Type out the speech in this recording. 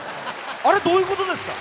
あれ、どういうことですか？